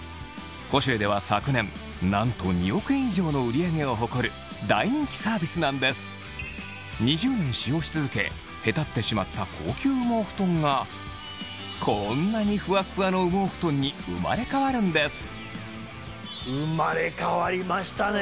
『ポシュレ』では昨年なんと２億円以上の売り上げを誇る大人気サービスなんです２０年使用し続けへたってしまった高級羽毛ふとんがこんなにフワッフワの羽毛ふとんに生まれ変わるんです生まれ変わりましたね